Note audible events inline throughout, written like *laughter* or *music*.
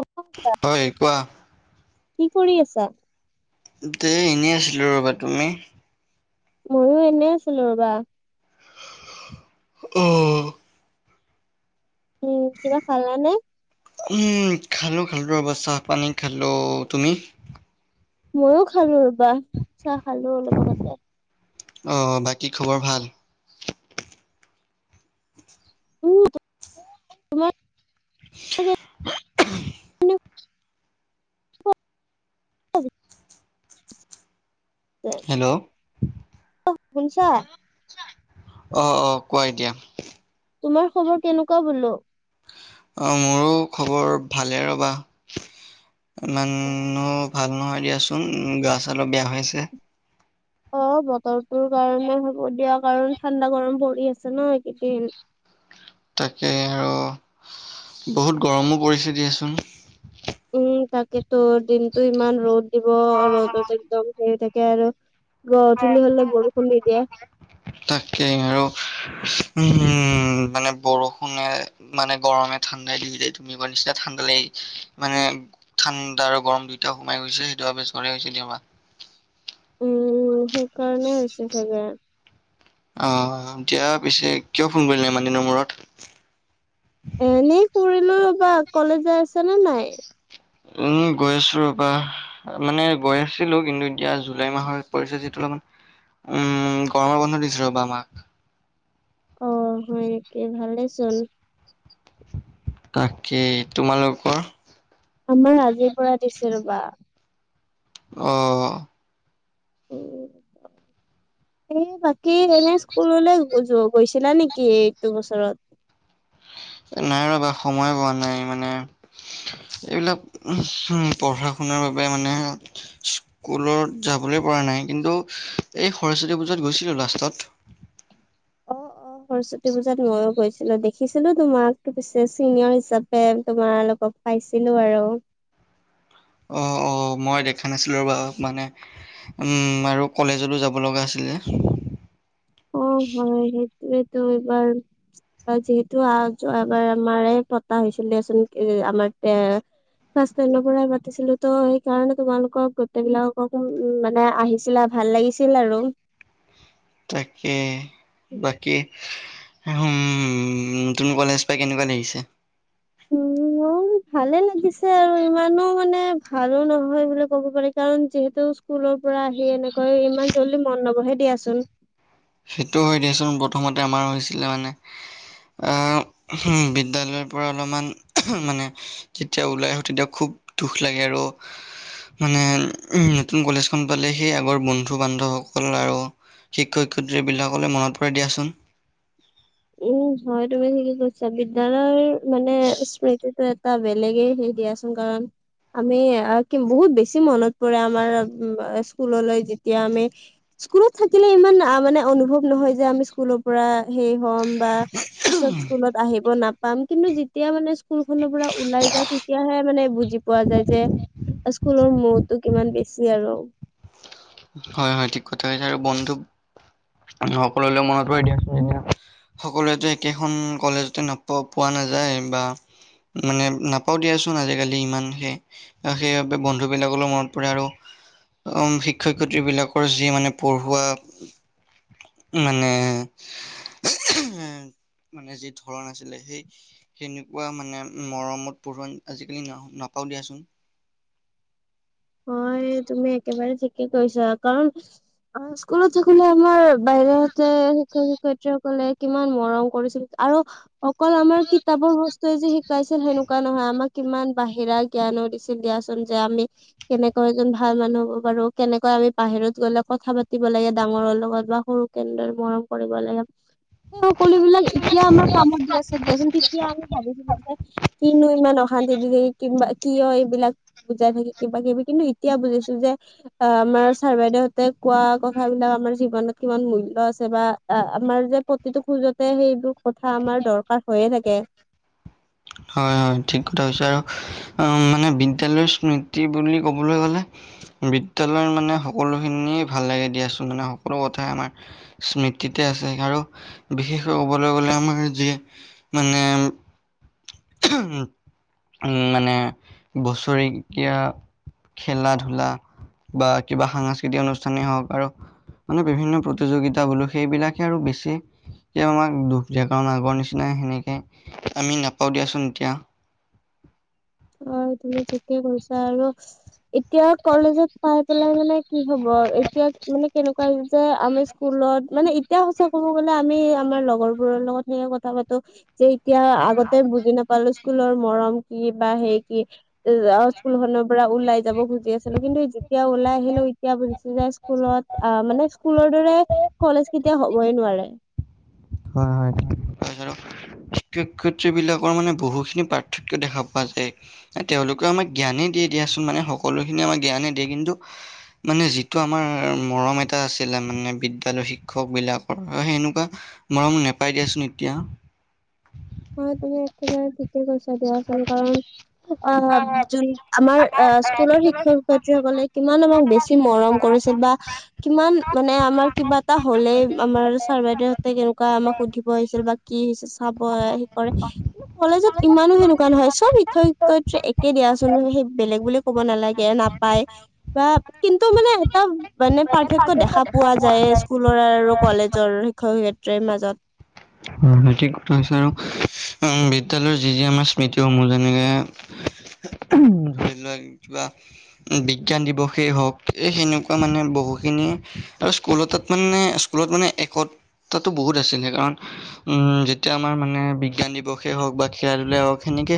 অ হয় কোৱা? কি কৰি আছা? দে এনেই আছিলো ৰ'বা। তুমি? মইয়ো এনে আছিলো ৰবা। অ। উম, কিবা খালা নে? উম খালোঁ খালোঁ ৰবা চাহ পানী খালোঁ। তুমি? ময়ো খালোঁ ৰবা চাহ খালোঁ অলপ আগতে। অ বাকী খবৰ ভাল? ওতে *unintelligible* *unintelligible* হেল্ল'। শুনছা অ শুনছা? অ অ কোৱা এতিয়া? তোমাৰ খবৰ কেনেকুৱা বোলো? অ মোৰো খবৰ ভালে ৰ'বা। ইমানো ভাল নহয় দিয়াচোন গা ছা অলপ বেয়া হৈছে। অ বতৰটোৰ কাৰণে হ'ব দিয়া কাৰণ ঠাণ্ডা গৰম পৰি আছে ন এইকেইদিন। তাকে আৰু বহুত গৰমো পৰিছে দিয়াচোন। উম তাকেতো দিনটো ইমান ৰ'দ দিব ৰ'দত একদম হৈ থাকে আৰু। গধূলি হ'লে বৰষুণ দি দিয়ে। তাকেই আৰু উ মানে বৰষুণে। মানে গৰমে ঠাণ্ডাই দিদিয়ে তুমি কোৱা নিচিনা ঠাণ্ডা লাগে মানে ঠাণ্ডা আৰু গৰম দুয়োটা সোমাই গৈছে সেইটো বাবে ছৰে হৈছে দে আমাৰ। উম সেইকাৰণে হৈছে চাগে। অ দিয়া পিছে কিয় ফোন কৰিলে ইমান দিনৰ মূৰত? এ এনেই কৰিলো ৰবা কলেজ যাই আছা নে নাই? উম গৈ আছো ৰবা। মানে গৈ আছিলো কিন্তু এতিয়া জুলাই মাহত পৰিছে যিটো অলপমান উম গৰমৰ বন্ধ দিছে ৰ'বা আমাক। অ হয় নেকি ভালেচোন। তাকেই, তোমালোকৰ? আমাৰ আজিৰ পৰা দিছে ৰবা। অ। উ এ বাকী এনে স্কুললৈ গৈছিলা নেকি এইটো বছৰত? নাই ৰবা সময় পোৱা নাই মানে। এইবিলাক পঢ়া শুনাৰ বাবে মানে কুলত যাবলৈ পৰা নাই কিন্তু এই সৰস্বতী পূজাত গৈছিলো লাষ্টত। অ অ সৰস্বতী পূজাত মইয়ো গৈছিলো দেখিছিলো তোমাকো পিছে চিনিয়ৰ হিচাপে তোমাৰ লোকক পাইছিলো আৰু। অ অ মই দেখা নাছিলো ৰবা মানে উম আৰু কলেজলো যাব লগা আছিল যে। অ হয় সেইটোৱেতো এইবাৰ যিহেতু আ যোৱাবাৰ আমাৰে পতা হৈছিল দেচোন এ আমাৰ তে- ফাৰ্ষ্ট টেনৰ পৰাই মাতিছিলো ত সেইকাৰণে তোমালোকৰ গোটেই বিলাকক উম মানে আহিছিলা। ভাল লাগিছিল আৰু। তাকে বাকী হুম নতুন কলেজ পাই কেনেকুৱা লাগিছে। ধুনীয়া ভালে লাগিছে আৰু ইমানো মানে ভালো নহয় বুলি ক'ব পাৰি কাৰণ যিহেতু স্কুলৰ পৰা আহি এনেকৈ ইমান জল্দি মন নবহে দিয়াচোন সেইটো হয় দিয়াচোন প্ৰথমতে আমাৰ হৈছিলে মানে আহ উহম বিদ্যালয়ৰ পৰা অলপমান মানে কেতিয়া ওলাই আহোঁ তেতিয়া খুব দুখ লাগে আৰু মানে নতুন কলেজখন পালে সেই আগৰ বন্ধু বান্ধৱসকল আৰু শিক্ষক শিক্ষয়িত্ৰীবিলাকলৈ মনত পৰে দিয়াচোন উম হয় তুমি ঠিকে কৈছা বিদ্যালয়ৰ মানে স্মৃতিটোৱে টা বেলেগে সেই দিয়াচোন কাৰণ আমি আহ কি বহুত বেছি মনত পৰে আমাৰ স্কুললৈ যেতিয়া আমি স্কুলত থাকিলে ইমান মানে অনুভৱ নহয় যে আমি স্কুলৰ পৰা সেই হম বা পিছত স্কুলত আহিব নাপ- পাম কিন্তু যেতিয়া মানে স্কুল খনৰ পৰা ওলাই যাওঁ তেতিয়াহে মানে বুজি পোৱা যায় যে স্কুলৰ মৌটো কিমান বেছি আৰু হয় হয় ঠিক কথা হৈছে আৰু বন্ধুক সকললৈ মনত পৰি দিয়াচোন এতিয়া সকলোৱেতো একেখন কলেজতে ন পোৱা নাযায় বা মানে নাপাওঁ দিয়াচোন আজিকালি ইমান সে সেইবাবে বন্ধু বিলাকলৈ মনত পৰে আৰু উ শিক্ষ- ক্ষক শিক্ষয়িত্ৰীবিলাকৰ যি মানে পঢ়োৱা মানে উ মানে যি ধৰণ আছিলে সেই সেনেকুৱা মানে মৰমত পঢ়োৱান আজিকালি ন নাপাওঁ দিয়াচোন হয় তুমি একেবাৰে ঠিকে কৈছা কাৰণ অ স্কুলত থাকিলে আমাৰ বাইদেউহঁতে শিক্ষক শিক্ষয়িত্ৰীসকলে কিমান মৰম কৰিছিল আৰু অকল আমাৰ কিতাপৰ বস্তুৱে যে শিকাইছিল সেনেকুৱা নহয় আমাক কিমান বাহিৰা জ্ঞানো দিছিল দিয়াচোন যে আমি কেনেকৈ এজন ভাল মানুহ হ'ব পাৰো কেনেকৈ আমি বাহিৰত গ'লে কথা পাতিব লাগে ডাঙৰৰ লগত বা সৰু কেনদৰে মৰম কৰিব লাগে। এই সকলো বিলাক এতিয়া আমাক কামত দি আছে দিয়াচোন তিতিয়া আমি ভাবিছিলো যে কিনো ইমান অশান্তি দি থাকি কিম বা কিয় এইবিলাক বুজাই থাকি কিবা কিবি কিন্তু এতিয়া বুজিছো যে অ আমাৰ চাৰ বাইদেউহতে কোৱা কথাবিলাক আমাৰ জীৱনত কিমান মূল্য আছে বা অ আমাৰ যে প্ৰতিটো খোজতে সেইবোৰ কথা আমাৰ দৰকাৰ হৈয়ে থাকে হয় হয় ঠিক কথা হৈছে আৰু মানে বিদ্যালয়ৰ স্মৃতি বুলি ক'বলৈ গ'লে বিদ্যালয় মানে সকলোখিনিয়ে ভাল লাগে দিয়াচোন মানে সকলো কথাই আমাৰ স্মৃতিতে আছে আৰু বিশেষকৈ ক'বলৈ গলে আমাৰ যিয়ে মানে উম হু মানে বছৰেকীয়া খেলা ধূলা বা কিবা সাংস্কৃতিক অনুষ্ঠানেই হওঁক আৰু মানে বিভিন্ন প্ৰতিযোগিতা বোলো সেইবিলাকে আৰু বেছি এতিয়াও আমাক দুখ দিয়ে কাৰণ আগৰ নিচিনা সেনেকে আমি নাপ পাওঁ দিয়াচোন এতিয়া। অ তুমি ঠিকে কৈছা আৰু। এতিয়া কলেজত পাই পেলাই মানে কি হব এতিয়া মানে কেনেকুৱা যে আমি স্কুলত মানে ইত তিয়া সঁচা ক'ব গলে আমি আমাৰ লগৰবোৰৰ লগত সেয়ে কথা পাতো যে এতিয়া আগতে বুজি নাপ পালো স্কুলৰ মৰম কি বা সেই কি যাও স্কুল খনৰ পৰা ওলাই যাব খুজি আছিলো কিন্তু যেতিয়া ওলাই আহিলো ইত তিয়া বুজিছো যে স্কুলত আ মানে স্কুলৰ দৰে কলেজ কেতিয়াও হবই নোৱাৰে। হয় হয় হয় ঠিকে হয় আৰু কু কুচি বিলাকৰ মানে বহুখিনি পাৰ্থক্য দেখা পোৱা যায়। তেওঁলোকে আমাক জ্ঞানেই দিয়ে দিয়াচোন মানে সকলোখিনি আমাক জ্ঞানেই দিয়ে কিন্তু, মানে যিটো আমাৰ মৰম এটা আছিলে মানে বিদ্যালয় শিক্ষক বিলাকৰ অঁ সেনেকুৱা মৰম নেপাই দিয়াচোন এতিয়া। হয় তুমি একেবাৰে ঠিকে কৈছা দিয়াচোন কাৰণ অঁ যোন আমাৰ এ স্কুলৰ শিক্ষক-শিক্ষয়িত্ৰীসকলে কিমান আমাক বেছি মৰম কৰিছিল বা কিমান মানে আমাৰ কিবা এটা হ'লেই আমাৰ চাৰ বাইদেউহঁতে কেন কা আমাক সুধিব আহিছিল বা কি হৈছে চাব এ হে কৰে। কলেজত ইমানো সেনেকুৱা নহয় চব শিক্ষক শিক্ষয়ত্ৰী একেই দিয়াচোন সেই বেলেগ বুলি ক'ব নালাগে নাপ পায়। বা কিন্তু মানে এটা মানে পাৰ্থক্য দেখা পোৱা যায় স্কুলৰ আৰু কলেজৰ। শিক্ষক-শিক্ষয়ত্ৰীৰ মাজত। হয় হয় ঠিক কথা কৈছা আৰু উম বিদ্যালয়ৰ যি যি আমাৰ স্মৃতিসমূহ যেনেকে ধৰি লোৱা কিবা। বিজ্ঞান দিৱসেই হওক এই সেনেকুৱা মানে বহুখিনি আৰু স্কুল তাত মানে স্কু স্কুলত মানে একতাটো বহুত আছিলে কাৰণ উম যেতিয়া আমাৰ মানে বিজ্ঞান দিৱসে হওক বা খেলেই হওক সেনেকে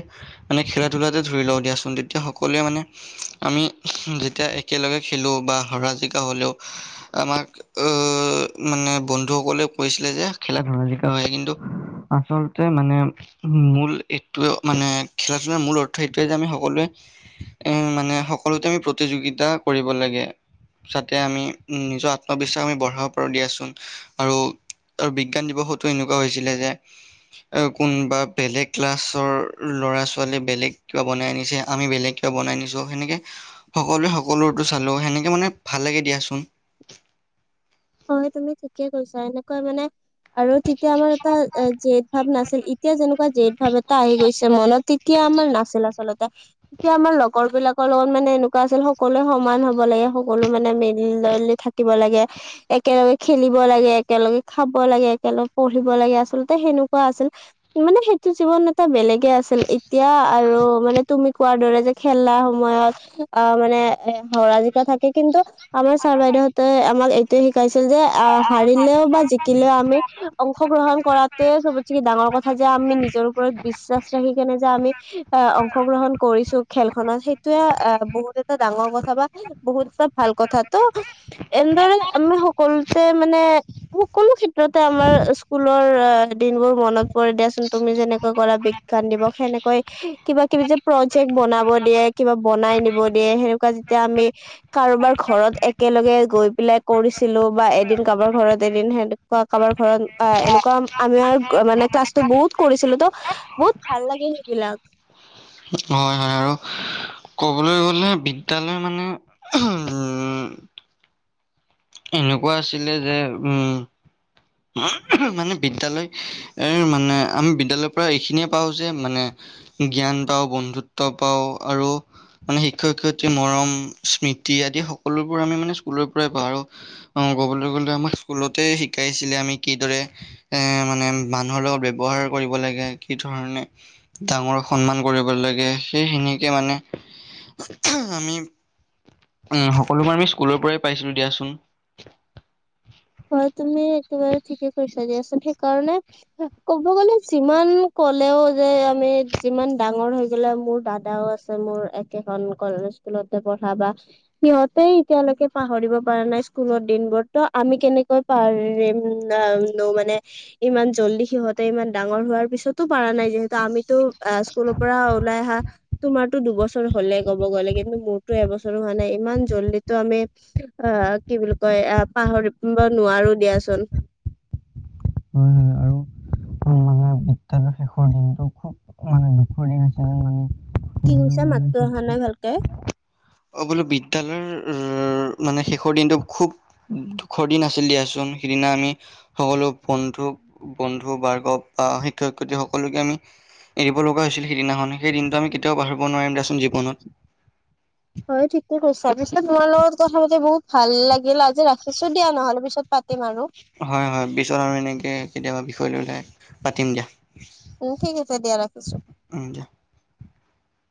মানে খেলা ধূলাতে ধৰি লওঁ দিয়াচোন তেতিয়া সকলোৱে মানে আমি যেতিয়া একেলগে খেলো বা হৰা জিকা হলেও আমাক অও মানে বন্ধুসকলেও কৈছিলে যে খেলা ধেমালী হয় কিন্তু, আচলতে মানে মূল এইটোৱে মানে খেলা ধূলাৰ মূল অৰ্থ এইটোয়ে যে আমি সকলোৱে এঁম মানে সকলোতে আমি প্ৰতিযোগিতা কৰিব লাগে। যাতে আমি নিজৰ আত্মবিশ্বাস আমি বঢ়াব পাৰো দিয়াচোন। আৰু আৰু বিজ্ঞান দিৱসতো এনেকুৱা হৈছিলে যে অ'কোনবা বেলেগ ক্লাছৰ ল'ৰা ছোৱালী বেলেগ কিবা বনাই আনিছে আমি বেলেগ বনাই নিছো সেনেকে, সকলোৱে সকলোৰটো চালোঁ সেনেকে মানে ভাল লাগে দিয়াচোন। হয় তুমি ঠিকে কৈছা, এনেকুৱা মানে আৰু তেতিয়া আমাৰ এটা জেদ ভাৱ নাছিল, এতিয়া যেনেকুৱা জেদ ভাৱ এটা আহি গৈছে মনত তি তিয়া আমাৰ নাছিল আচলতে তিয়া আমাৰ লগৰ বিলাক চবৰ লগত মানে এনেকুৱা আছিল সকলোৱে সমান হব লাগে সকলো মানে মিল ললি থাকিব লাগে। একেলগে খেলিব লাগে একেলগে খাব লাগে একেলগে পঢ়িব লাগে আচলতে সেনকুৱা আছিল। মানে সেইটো জীৱন এটা বেলেগে আছিল এতিয়া আৰু মানে তুমি কোৱাৰ দৰে যে খেলা সময়ত আহ মানে এ হৰা জিকা থাকে কিন্তু, আমাৰ ছাৰ বাইদেউহঁতে আমাক এইটোয়ে শিকাইছিল যে আহ হাৰিলেও বা জিকিলেও আমি অংশগ্ৰহণ কৰাটোৱে চবতকে ডাঙৰ কথা যে আমি নিজৰ ওপৰত বিশ্বাস ৰাখি কেনে যে আমি য়া' অংশগ্ৰহণ কৰিছো খেলখনত সেইটোয়ে বহুত এটা ডাঙৰ কথা বা বহুত তা ভাল কথা তো এনেদৰে আমি সকলোতে মানে সকলো ক্ষেত্ৰতে আমাৰ স্কুলৰ দিন বোৰ মনত পৰি দিয়াচোন, তুমি যেনেকৈ কলা বি জ্ঞান দিব সেনেকৈ, কিবা-কিবি যে প্ৰজেক্ট বনাব দিয়ে, কিবা বনাই নিব দিয়ে সেনেকুৱা, তেতিয়া আমি কাৰোবাৰ ঘৰত একেলগে গৈ পেলাই, কৰিছিলো বা এদিন কাৰোবাৰ ঘৰত এদিন সেনেকুৱা কাৰোবাৰ ঘৰত এ এনেকুৱা আমি আৰু মানে ক্লাছটো বহুত কৰিছিলো তো বহুত ভাল লাগিল সেইবিলাক। হয় হয় আৰু ক'বলৈ গ'লে বিদ্যালয় মানে- হউম' এনেকুৱা আছিলে যে উম' মানে বিদ্যালয় এ মানে আমি বিদ্যালয়ৰ পৰা এইখিনিয়ে পাওঁ যে মানে জ্ঞান পাওঁ, বন্ধুত্ব পাওঁ, আৰু মানে শিক্ষক শিক্ষয়িত্ৰীৰ মৰম, স্মৃতি আদি সকলোবোৰ আমি মানে স্কুলৰ পৰাই পাওঁ আৰু অ, ক'বলৈ গ'লে, আমাক স্কুলতে শিকাইছিলে আমি কিদৰে এ মানে মানুহৰ লগত ব্যয়ৱহাৰ কৰিব লাগে, কি ধৰণে ডাঙৰক সন্মান কৰিব লাগে, সেইখিনিকে মানে। আমি উম, সকলোবোৰ আমি স্কুলৰ পৰাই পাইছিলো দিয়াচোন। *inaudible* হয়, তুমি একেবাৰে ঠিকে কৈছা দিয়াচোন সেইকাৰণে ক'ব গ'লে যিমান ক'লেও যে আমি যিমান ডাঙৰ হৈ গ'লে মোৰ দাদাও আছে। মোৰ একেখন কলেজ স্কুলতে পঢ়া বা, সিহঁতে এতিয়ালৈকে পাহৰিব পৰা নাই। স্কুলৰ দিন বোৰ তো আমি কেনেকৈ পাৰিম, মানে- ইমান জল্দি সিহঁতে ইমান ডাঙৰ হোৱাৰ পিছতো পৰা নাই, যিহেতু আমিতো আ, স্কুলৰ পৰা ওলাই আহা তোমাৰতো দুবছৰ হ'লে ক'ব গ'লে, কিন্তু মোৰতো এবছৰো হোৱা নাই। ইমান জল্দি টো আমি অ' কি বুলি কয় আহ' পাহৰিব নোৱাৰো দিয়াচোন। হয় হয় আৰু মানে *inaudible* বিদ্যালয়ৰ শেষৰ দিনটো খুব মানে দুখৰ দিন হিচাপে মানি, কি কৈছা মাততো অহা নাই ভালকে। অ, বোলো বিদ্যায়ালয়ৰ মানে শেষৰ দিনটো খুব সুখৰ দিন আছিলে দিয়াচোন সিদিনা আমি। সকলো বন্ধু-বন্ধু বাৰ্গৱ বা শিক্ষয়-শিক্ষয়িত্ৰী সকলোকে আমি এৰিব লগা হৈছিল, সিদিনাখন সেইদিনটো আমি কেতিয়াও পাহৰিব নোৱাৰিম দিয়াচোন জীৱনত। বাৰু ঠিকে কৈছা, পিছে তোমাৰ লগত কথা পাতি বহুত ভাল লাগিল। আজি ৰাখ থৈছো দিয়া নহ'লে পিছত পাতিম আৰু। হয়-হয়, পিছত আৰু এনেকে কেতিয়াবা বিষয় লৈ উলাই পাতিম দিয়া। উম, ঠিক আছে দিয়া ৰাখিছো। ন এতিয়া *unintelligible*